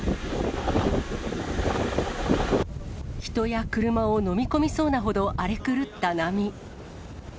人や車を飲み込みそうなほど荒れ狂った波。